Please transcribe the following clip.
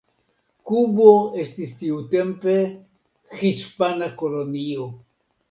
Kubo estis tiutempe hispana kolonio.